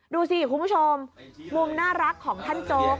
ดูสิคุณผู้ชมมุมน่ารักของท่านโจ๊ก